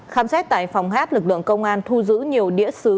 khám xét tại phòng hát lực lượng công an thu giữ nhiều đĩa xứ